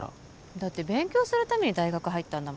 だって勉強するために大学入ったんだ